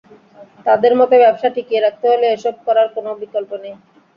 তাঁদের মতে, ব্যবসা টিকিয়ে রাখতে হলে এসব করার কোনো বিকল্প নেই।